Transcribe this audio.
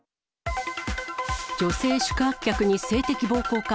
女性宿泊客に性的暴行か。